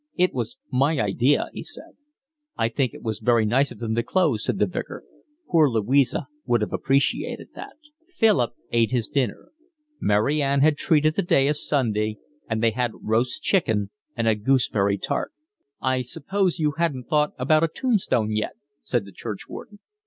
"It was my idea," he said. "I think it was very nice of them to close," said the Vicar. "Poor Louisa would have appreciated that." Philip ate his dinner. Mary Ann had treated the day as Sunday, and they had roast chicken and a gooseberry tart. "I suppose you haven't thought about a tombstone yet?" said the churchwarden.